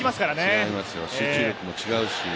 違いますよ、集中力も違うし。